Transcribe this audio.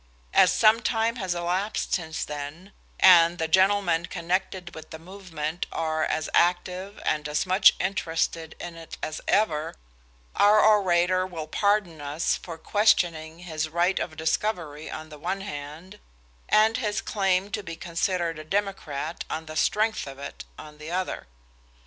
As some time has elapsed since then, and the gentlemen connected with the movement are as active and as much interested in it as ever, our orator will pardon us for questioning his right of discovery on the one hand, and his claim to be considered a Democrat on the strength of it, on the other.